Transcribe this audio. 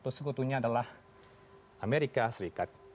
atau sekutunya adalah amerika serikat